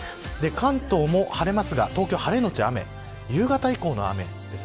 関東も晴れますが東京、晴れのち雨夕方以降の雨です。